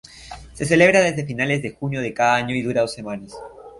Se celebra desde finales de junio de cada año y dura dos semanas.